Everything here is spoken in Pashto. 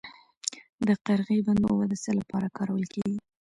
د قرغې بند اوبه د څه لپاره کارول کیږي؟